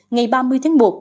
ngày ba mươi tháng một